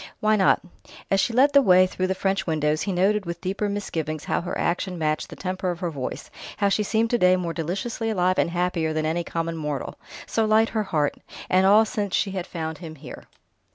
"Why not?" As she led the way through the French windows, he noted with deeper misgivings how her action matched the temper of her voice, how she seemed to day more deliciously alive and happier than any common mortal. So light her heart! And all since she had found him here!